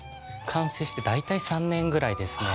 完成して大体３年ぐらいですね。